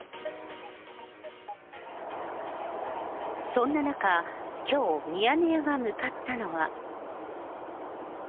そんな中、きょう、ミヤネ屋が向かったのは。